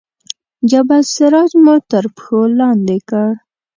جبل السراج مو تر پښو لاندې کړ.